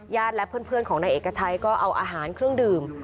และเพื่อนของนายเอกชัยก็เอาอาหารเครื่องดื่ม